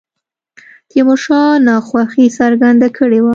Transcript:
تیمور شاه ناخوښي څرګنده کړې وه.